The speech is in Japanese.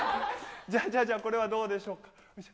じゃあ、じゃ、これはどうでしょうか。